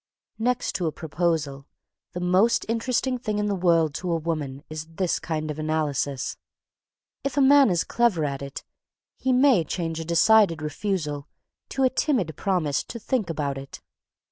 Next to a proposal, the most interesting thing in the world to a woman is this kind of analysis. If a man is clever at it, he may change a decided refusal to a timid promise to "think about it."